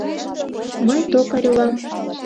— Мый токарь улам.